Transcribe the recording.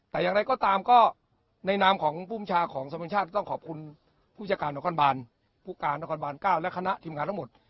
แต่อย่างไรก็ตามก็ในนามของภูมิชาของสมชาติต้องขอบคุณผู้จัดการนครบานผู้การนครบาน๙และคณะทีมงานทั้งหมด